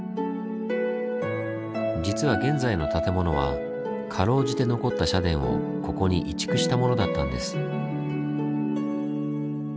実は現在の建物はかろうじて残った社殿をここに移築したものだったんです。